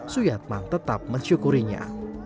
suyat mang tetap mensyukurinya